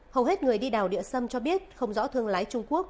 hầu hết người đi đào địa sâm cho biết không rõ thương lái trung quốc